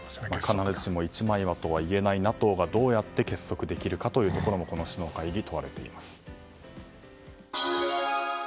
必ずしも一枚岩とはいえないＮＡＴＯがどうやって結束できるかもこの首脳会議、問われています。